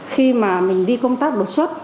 khi mà mình đi công tác đột xuất